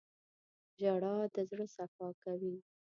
• ژړا د زړه صفا کوي.